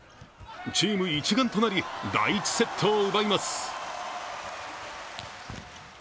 チーム一丸となり第１セットを奪います。